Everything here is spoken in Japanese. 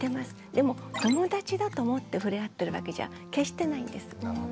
でも友達だと思って触れ合ってるわけじゃ決してないんです。